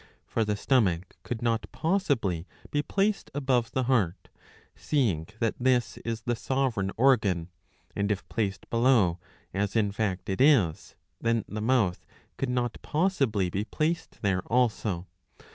For the stomach could not possibly be placed above the heart, seeing that this is the sovereign organ ; and if placed below, as in fact it is, then the mouth could not possibly be placed there also.